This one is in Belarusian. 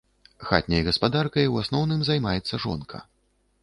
Хатняй гаспадаркай у асноўным займаецца жонка.